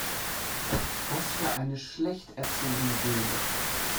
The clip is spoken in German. Was für eine schlecht erzogene Göre.